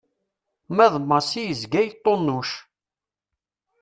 Ma d Massi yezga yeṭṭunuc.